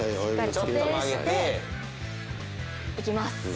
いきます。